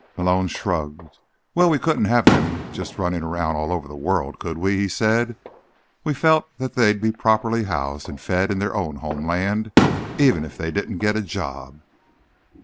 Malone shrugged. "Well, we couldn't have them just running around all over the world, could we?" he said. "We felt that here they'd be properly housed and fed, in their own homeland, even if they didn't get a job."